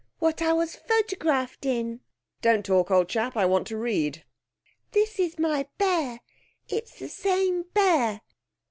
'What I was photographed in.' 'Don't talk, old chap. I want to read.' 'This is my bear. It's the same bear.'